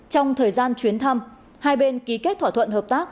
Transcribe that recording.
một mươi hai trong thời gian chuyến thăm hai bên ký kết thỏa thuận hợp tác